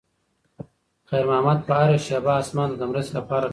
خیر محمد به هره شېبه اسمان ته د مرستې لپاره کتل.